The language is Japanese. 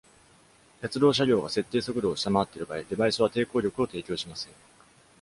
鉄道車両が設定速度を下回っている場合、デバイスは抵抗力を提供しません。